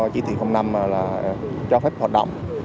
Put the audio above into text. năm năm là cho phép hoạt động